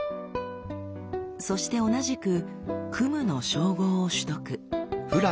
そして同じく「クム」の称号を取得。